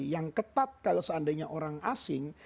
yang ketat kalau seandainya orang asing